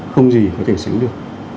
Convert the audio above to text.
không gì có thể xứng được